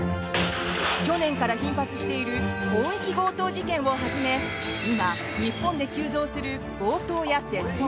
去年から頻発している広域強盗事件をはじめ今、日本で急増する強盗や窃盗。